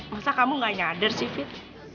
masa kamu gak nyader sih fit